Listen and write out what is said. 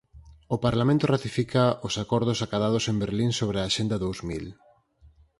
O Parlamento ratifica os acordos acadados en Berlín sobre a Axenda dous mil